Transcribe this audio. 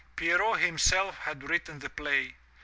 Pierrot himself had written the play.